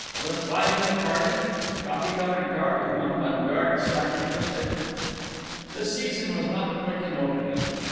With five in the party; coffee colored car with one mud guard slightly twisted? The season was not quick in opening.